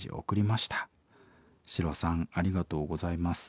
シロさんありがとうございます。